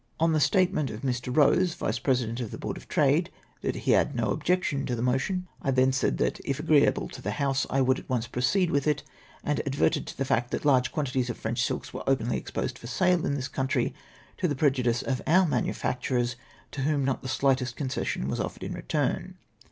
On the statement of Mr. Eose, Vice President of the Board of Trade, that he had no objection to the motion, 256 DENIED BY THE GOYERXMEXT. I tlien said that, if a<T;reeable to tlic House, I would at once proceed with it, and adYcrted to tlie fact that large quantities of French silks were openly exposed for sale in this country to the prejudice of our manu facturers, to whom not the slightest concession was offered in return.